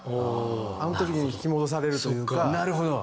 あの時に引き戻されるというか。